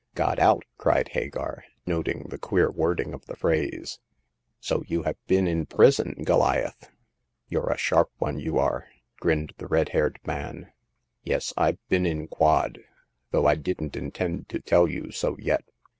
Got out !" cried Hagar, noting the queer wording of the phrase ;" so you have been in prison, Goliath !"You're a sharp one, you are !" grinned the red haired man. Yes, I've been in quod, though I didn't intend to tell you so yet.